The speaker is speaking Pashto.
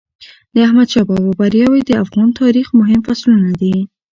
د احمدشاه بابا بریاوي د افغان تاریخ مهم فصلونه دي.